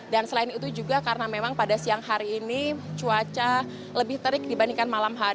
dan selain itu juga karena memang pada siang hari ini cuaca lebih terik dibandingkan malam hari